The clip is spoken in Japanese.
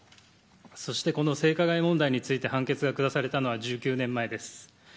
そして、この性加害問題について判決が下されたのは１９年前です。